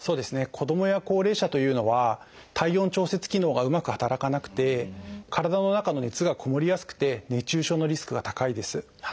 子どもや高齢者というのは体温調節機能がうまく働かなくて体の中の熱がこもりやすくて熱中症のリスクが高いです。